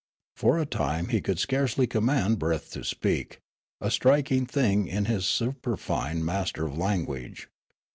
For a time he could scarcely command breath to speak — a striking thing in this superfine master of language.